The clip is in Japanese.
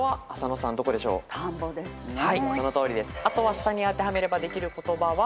あとは下に当てはめればできる言葉は「ごはん」となるので。